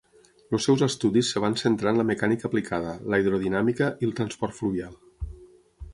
Els seus estudis es van centrar en la mecànica aplicada, la hidrodinàmica i el transport fluvial.